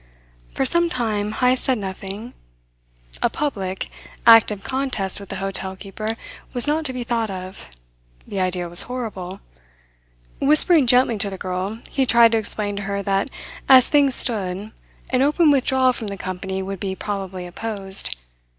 For some time Heyst said nothing. A public, active contest with the hotel keeper was not to be thought of. The idea was horrible. Whispering gently to the girl, he tried to explain to her that as things stood, an open withdrawal from the company would be probably opposed.